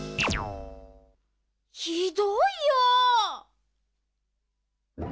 ひどいよ！